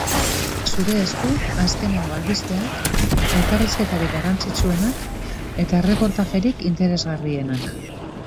Zure esku azkenengo albisteak, elkarrizketarik garrantzitsuenak eta erreportajerik interesgarrienak.